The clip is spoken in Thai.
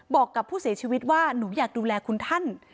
บอกกับผู้เสียชีวิตว่าหนูอยากดูแลคุณท่าน